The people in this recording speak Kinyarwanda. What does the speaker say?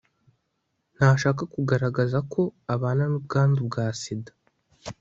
ntashaka kugaragaza ko abana n'ubwandu bwa sida